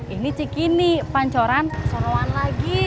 ini cikini pancoran sorowan lagi